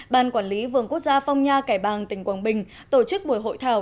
ban quản lý vườn quốc gia phong nha cải bang tỉnh quảng bình tổ chức buổi hội thảo